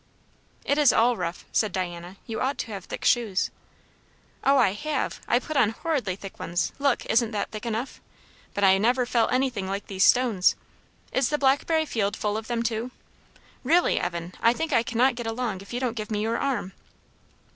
"It is all rough," said Diana. "You ought to have thick shoes." "O, I have! I put on horridly thick ones, look! Isn't that thick enough? But I never felt anything like these stones. Is the blackberry field full of them too? Really, Evan, I think I cannot get along if you don't give me your arm."